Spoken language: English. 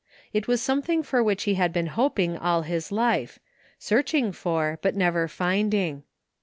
It was something for which he had been hoping all his life — searching for, but never finding.